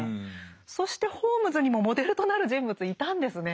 そしてホームズにもモデルとなる人物いたんですね。